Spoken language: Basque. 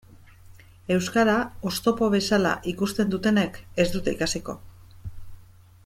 Euskara oztopo bezala ikusten dutenek ez dute ikasiko.